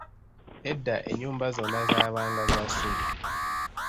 Edda ennyumba zonna zaabanga za ssubi.